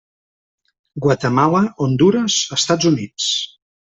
Guatemala, Hondures, Estats Units.